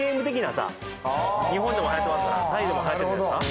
ああー日本でもはやってますからタイでもはやってるんじゃないですか？